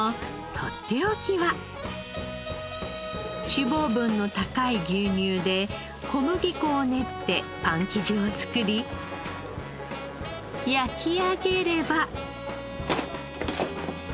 脂肪分の高い牛乳で小麦粉を練ってパン生地を作り焼き上げれば。